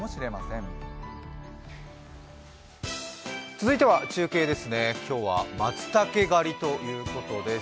続いては中継ですね、今日はまつたけ狩りということです。